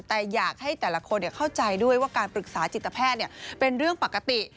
แต่อยากให้แต่ละคนเข้าใจด้วยว่าการปรึกษาจิตแพทย์เป็นเรื่องปกติ